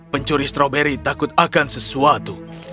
pencuri stroberi takut akan sesuatu